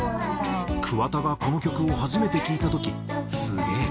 桑田がこの曲を初めて聴いた時「スゲー！！